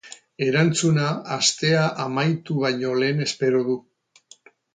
Erantzuna astea amaitu baino lehen espero du.